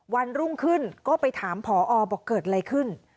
วันรุ่งขึ้นก็ไปถามผอบอกเกิดอะไรขึ้น